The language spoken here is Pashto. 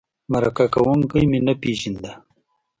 مرکه کوونکی مې نه پېژنده.